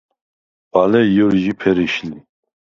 ბალე ჲჷრჟი ფერიშ ლი.